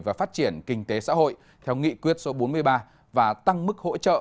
và phát triển kinh tế xã hội theo nghị quyết số bốn mươi ba và tăng mức hỗ trợ